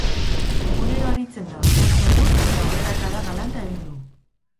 Egunero aritzen da, bost orduz, eta aurrerakada galanta egin du.